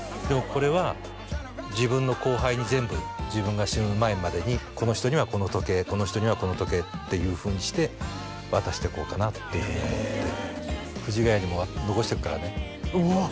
これは自分の後輩に全部自分が死ぬ前までにこの人にはこの時計この人にはこの時計っていうふうにして渡していこうかなっていうふうに思ってる藤ヶ谷にも残しとくからねうわ